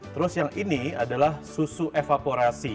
terus yang ini adalah susu evaporasi